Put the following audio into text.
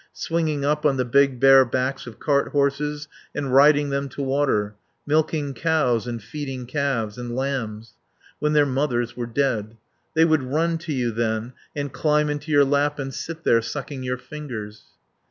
Swinging up on the big bare backs of cart horses and riding them to water; milking cows and feeding calves. And lambs. When their mothers were dead. They would run to you then, and climb into your lap and sit there sucking your fingers.